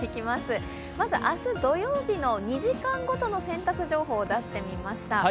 まず明日土曜日の２時間ごとの洗濯情報を出してみました。